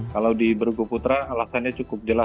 kalau di bergu putra alasannya cukup jelas